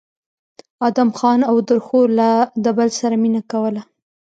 ادم خان او درخو له د بل سره مينه کوله